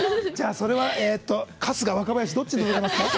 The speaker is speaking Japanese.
それは春日、若林どっちでございますか？